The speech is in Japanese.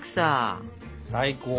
最高！